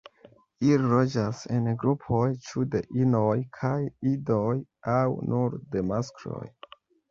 Ili loĝas en grupoj ĉu de inoj kaj idoj aŭ nur de maskloj.